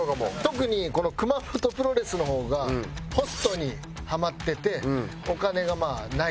特にこの熊元プロレスの方がホストにハマっててお金がまあないという。